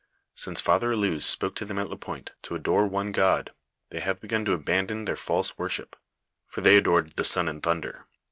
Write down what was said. Since Father Allouez spoke to them at Lapointe, to adore one God, they have begun to abandon their false worship, for they adored the sun and thunder.